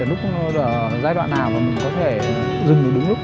cái lúc nào mà mình có thể dừng được đúng lúc